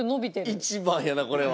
１番やなこれは。